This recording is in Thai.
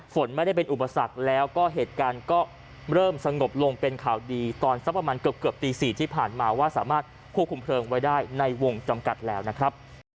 ฝนไม่ได้เป็นอุปสรรคแล้วก็เหตุการณ์ก็เริ่มสงบลงเป็นข่าวดีตอนสักประมาณเกือบตี๔ที่ผ่านมาว่าสามารถควบคุมเพลิงไว้ได้ในวงจำกัดแล้วนะครับ